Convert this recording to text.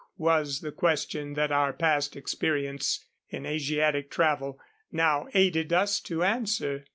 was the question that our past experience in Asiatic travel now aided us to answer.